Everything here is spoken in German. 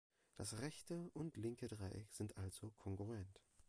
Das rechte und linke Dreieck sind also kongruent.